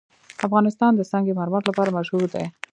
افغانستان د سنگ مرمر لپاره مشهور دی.